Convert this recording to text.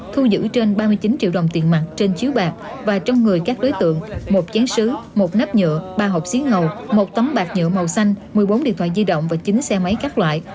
thu giữ trên ba mươi chín triệu đồng tiền mặt trên chiếu bạc và trong người các đối tượng một chán sứ một nắp nhựa ba hộp xí ngầu một tấm bạt nhựa màu xanh một mươi bốn điện thoại di động và chín xe máy các loại